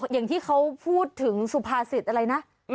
อย่างที่เขาพูดถึงสุภาษิตอะไรนะ